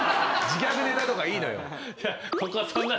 自虐ネタとかいいのよ。